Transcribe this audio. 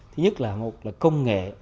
thứ nhất là công nghệ